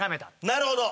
なるほど。